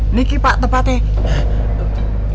ini kipak tempatnya